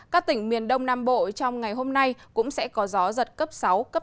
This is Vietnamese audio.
các tỉnh miền đông nam bộ trong ngày hôm nay cũng sẽ có gió giật cấp sáu cấp năm